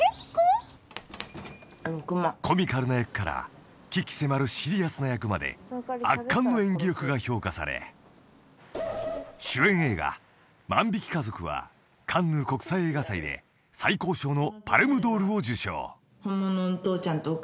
［コミカルな役から鬼気迫るシリアスな役まで圧巻の演技力が評価され主演映画『万引き家族』はカンヌ国際映画祭で最高賞のパルムドールを受賞］